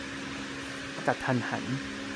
กะทันหัน